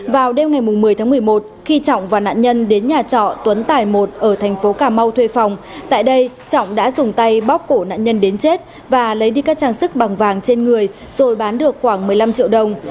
vào đêm ngày một mươi tháng một mươi một khi trọng và nạn nhân đến nhà trọ tuấn tài một ở thành phố cà mau thuê phòng tại đây trọng đã dùng tay bóc cổ nạn nhân đến chết và lấy đi các trang sức bằng vàng trên người rồi bán được khoảng một mươi năm triệu đồng